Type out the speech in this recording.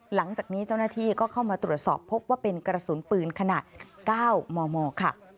หลังจากนี้เจ้าหน้าที่ก็เข้ามาตรวจสอบพบว่าเป็นกระสุนปืนขนาด๙มมค่ะ